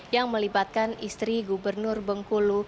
yang melibatkan istri gubernur bengkulu